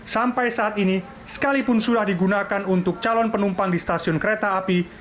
sampai saat ini sekalipun sudah digunakan untuk calon penumpang di stasiun kereta api